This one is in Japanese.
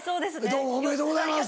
どうもおめでとうございます。